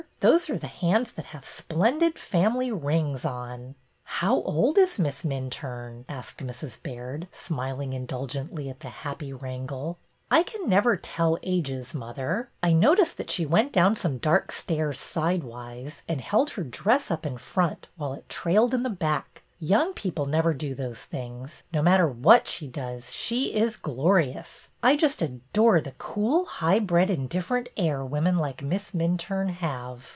Those are the hands that have splendid family rings on." ''How old is Miss Minturne?" asked Mrs. Baird, smiling indulgently at the happy wrangle. " I never can tell ages, mother. I noticed that 282 BETTY BAIRD'S VENTURES she went down some dark stairs sidewise and held her dress up in front while it trailed in the back. Young people never do those things. No matter what she does, she is glorious! I just adore the cool, highbred, indifferent air women like Miss Minturne have."